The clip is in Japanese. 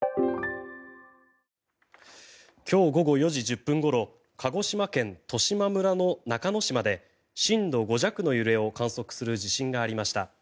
今日午後４時１０分ごろ鹿児島県十島村の中之島で震度５弱の揺れを観測する地震がありました。